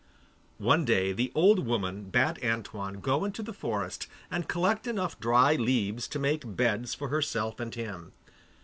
One day the old woman bade Antoine go into the forest and collect enough dry leaves to make beds for herself and him.